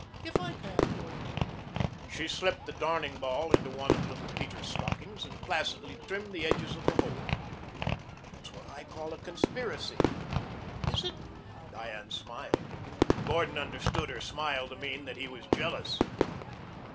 "If I can, Gordon." She slipped a darning ball into one of little Peter's stockings and placidly trimmed the edges of the hole. "It's what I call a conspiracy." "Is it?" Diane smiled. Gordon understood her smile to mean that he was jealous.